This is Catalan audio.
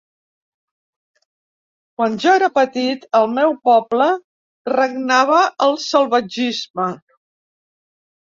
Quan jo era petit, al meu poble regnava el salvatgisme.